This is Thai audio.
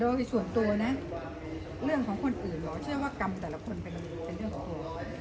โดยส่วนตัวนะเรื่องของคนอื่นเหรอเชื่อว่ากรรมแต่ละคนเป็นเรื่องของ